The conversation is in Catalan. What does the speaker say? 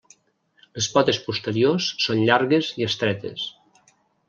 Les potes posteriors són llargues i estretes.